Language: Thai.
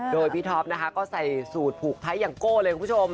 โดยพี่ท็อปนะคะก็ใส่สูตรผูกไทยอย่างโก้เลยคุณผู้ชม